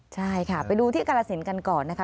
ใช่ค่ะไปดูที่กรสินกันก่อนนะคะ